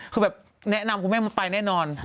คือแบบแนะนำคุณแม่ไปแน่นอน